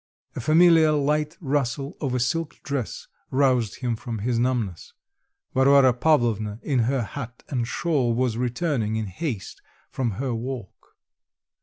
A familiar light rustle of a silk dress roused him from his numbness; Varvara Pavlovna in her hat and shawl was returning in haste from her walk.